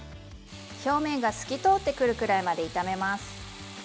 表面が透き通ってくるくらいまで炒めます。